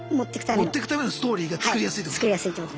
もってくためのストーリーが作りやすいってこと？